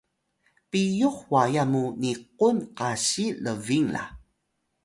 piyux wayan mu niqun kasi lbing la